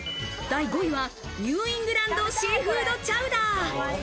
第５位はニューイングランド・シーフードチャウダー。